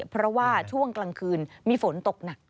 เพราะว่าช่วงกลางคืนมีฝนตกหนัก